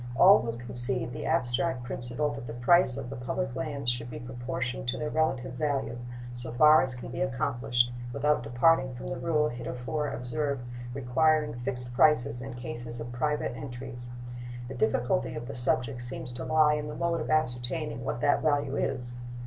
All will concede the abstract principle that the price of the public lands should be proportioned to their relative value, so far as can be accomplished without departing from the rule heretofore observed requiring fixed prices in cases of private entries. The difficulty of the subject seems to lie in the mode of ascertaining what that value is.